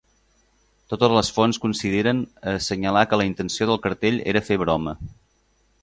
Totes les fonts coincidiren a assenyalar que la intenció del cartell era fer broma.